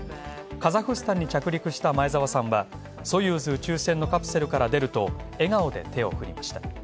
カザフスタンに着陸した前澤さんはソユーズ宇宙船のカプセルから出ると、笑顔で手を振りました。